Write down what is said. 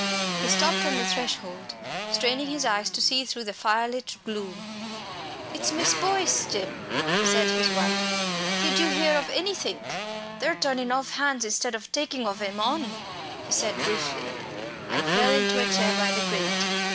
He stopped on the threshold, straining his eyes to see through the fire lit gloom. "It's Miss Boyce, Jim," said his wife. "Did you hear of anythink?" "They're turnin' off hands instead of takin' ov 'em on," he said briefly, and fell into a chair by the grate.